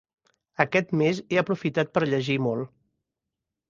Aquest mes he aprofitat per llegir molt.